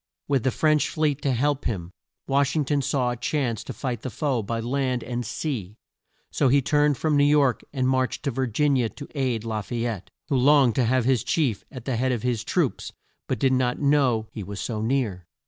With the French fleet to help him, Wash ing ton saw a chance to fight the foe by land and sea, so he turned from New York and marched to Vir gin i a to aid La fay ette, who longed to have his chief at the head of his troops but did not know he was so near.